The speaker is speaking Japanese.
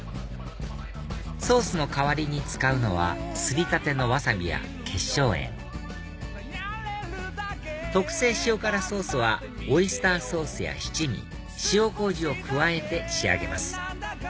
ソースの代わりに使うのはすりたてのワサビや結晶塩特製塩辛ソースはオイスターソースや七味塩こうじを加えて仕上げます